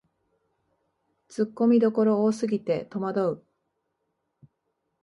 ツッコミどころ多すぎてとまどう